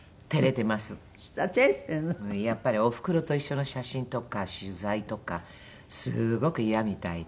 やっぱりおふくろと一緒の写真とか取材とかすごくイヤみたいで。